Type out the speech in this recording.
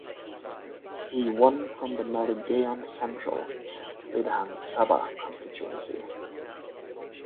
He won from the Malegaon Central (Vidhan Sabha constituency).